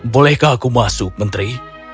bolehkah aku masuk menteri